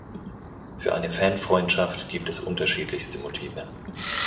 Für eine Fanfreundschaft gibt es unterschiedlichste Motive.